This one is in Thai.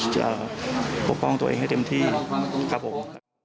ปกป้องตัวเองให้เต็มที่ครับผม